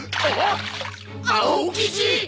青キジ！